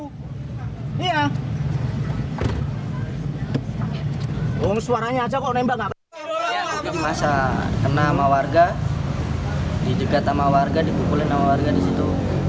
masa kena sama warga di dekat sama warga dipukulin sama warga disitu